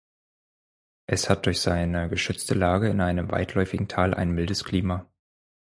Es hat durch seine geschützte Lage in einem weitläufigen Tal ein mildes Klima.